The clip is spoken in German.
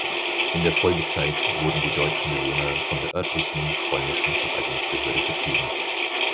In der Folgezeit wurden die deutschen Bewohner von der örtlichen polnischen Verwaltungsbehörde vertrieben.